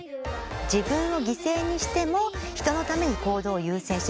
自分を犠牲にしても人のために行動を優先してしまう。